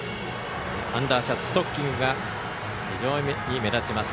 アンダーシャツ、ストッキングが非常に目立ちます。